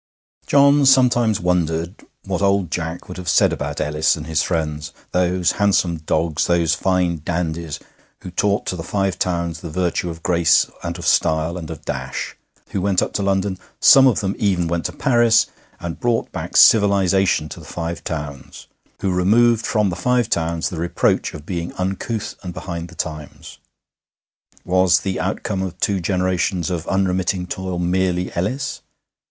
John sometimes wondered what old Jack would have said about Ellis and his friends, those handsome dogs, those fine dandies, who taught to the Five Towns the virtue of grace and of style and of dash, who went up to London some of them even went to Paris and brought back civilization to the Five Towns, who removed from the Five Towns the reproach of being uncouth and behind the times. Was the outcome of two generations of unremitting toil merely Ellis?